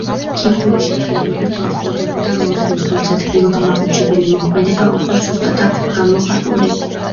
ქიმიური შემადგენლობით უახლოვდება მორფინს, თუმცა ტკივილგამაყუჩებელი მოქმედება უფრო სუსტად აქვს გამოხატული.